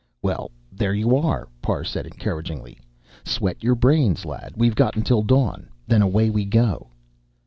"Well, there you are," Parr said encouragingly. "Sweat your brains, lad. We've got until dawn. Then away we go."